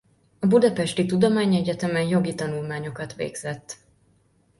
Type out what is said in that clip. A budapesti tudományegyetemen jogi tanulmányokat végzett.